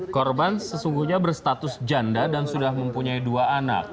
korban sesungguhnya berstatus janda dan sudah mempunyai dua anak